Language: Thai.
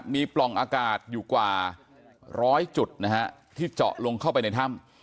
มีปล่องอากาศอยู่กว่าร้อยจุดนะฮะที่เจาะลงเข้าไปในถ้ำ